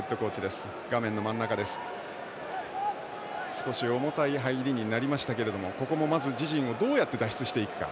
少し重たい入りになりましたけどここもまず自陣をどうやって脱出していくか。